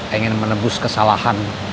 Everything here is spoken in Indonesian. ingin menebus kesalahan